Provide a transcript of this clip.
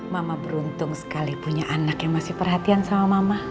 mama beruntung sekali punya anak yang masih perhatian sama mama